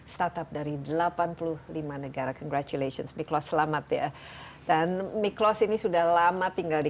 seribu lima ratus startup dari delapan puluh lima negara congratulations miklos selamat ya dan miklos ini sudah lama tinggal di